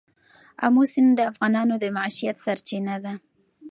آمو سیند د افغانانو د معیشت سرچینه ده.